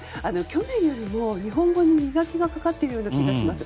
去年よりも日本語に磨きがかかっている気がします。